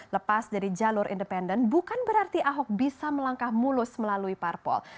lepas dari jalur independen bukan berarti ahok bisa melangkah mulus melalui parpol